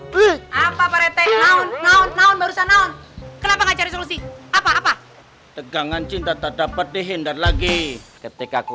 kenapa nggak cari solusi apa apa tegangan cinta tak dapat dihindar lagi ketika aku